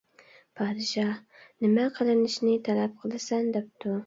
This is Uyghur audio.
پادىشاھ: نېمە قىلىنىشنى تەلەپ قىلىسەن، دەپتۇ.